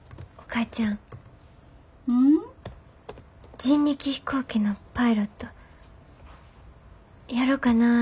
人力飛行機のパイロットやろかなて迷てるんや。